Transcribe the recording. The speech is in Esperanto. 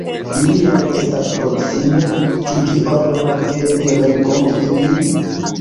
Ili jam estas proksime, ĉu vi ordonos, ke ni renkontu ilin?